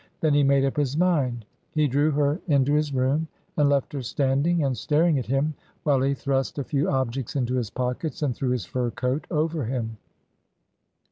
Then he made up his mind. He drew her into his room and left her standing and staring at him while he thrust a few objects into his pockets and threw his fur coat over him.